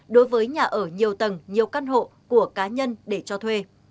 đối với nhà ở nhiều tầng nhiều căn hộ của cá nhân để cho thuê